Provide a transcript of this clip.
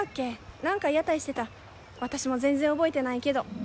何か屋台してた私も全然覚えてないけど。